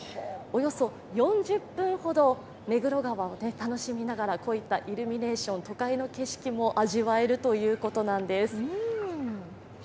およそ４０分ほど、目黒川を楽しみながらこういったイルミネーション、都会の景色も味わえるということなんです。